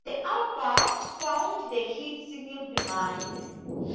The album spawned the hit singles; Be Mine!